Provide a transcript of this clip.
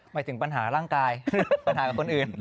หมายถึงปัญหาร่างกายปัญหากับคนอื่น